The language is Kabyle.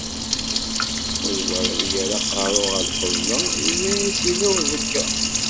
Ma d wayeḍ yerra aqerru ɣer lqebla, yenna-as yella uẓekka.